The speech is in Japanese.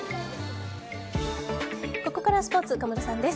ここからはスポーツ小室さんです。